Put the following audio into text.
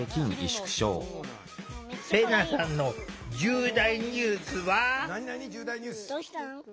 セナさんの重大ニュースは。